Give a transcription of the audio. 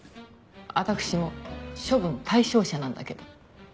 私も処分対象者なんだけど。